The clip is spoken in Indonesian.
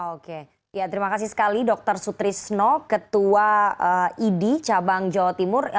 oke ya terima kasih sekali dr sutrisno ketua idi cabang jawa timur